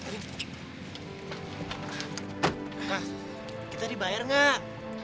nah kita dibayar gak